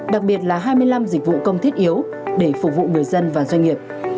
đặc biệt là hai mươi năm dịch vụ công thiết yếu để phục vụ người dân và doanh nghiệp